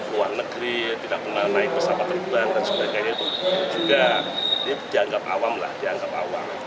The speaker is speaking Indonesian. luar negeri tidak pernah naik pesawat terbang dan sebagainya itu juga dianggap awam lah dianggap awam